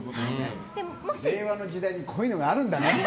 令和の時代にこういうのがあるんだね。